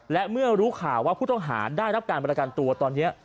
และเมื่อรู้ข่าวว่าผู้ต้องหาได้รับการประกันตัวตอนนี้